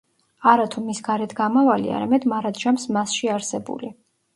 არათუ მის გარეთ გამავალი, არამედ მარადჟამს მასში არსებული.